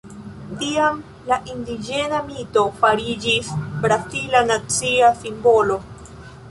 Tiam la indiĝena mito fariĝis brazila nacia simbolo.